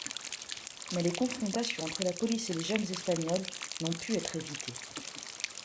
Mais les confrontations entre la police et les jeunes Espagnols n’ont pu être évitées.